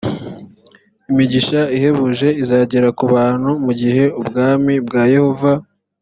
imigisha ihebuje izagera ku bantu mu gihe ubwami bwa yehova